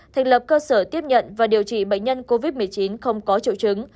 thành lập cơ sở tiếp nhận và điều trị bệnh nhân covid một mươi chín không có triệu chứng